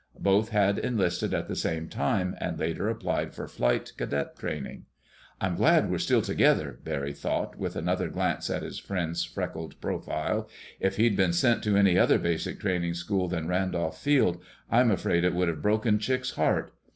Both had enlisted at the same time and later applied for flying cadet training. "I'm glad we're still together," Barry thought, with another glance at his friend's freckled profile. "If he'd been sent to any other basic training school than Randolph Field, I'm afraid it would have broken Chick's heart.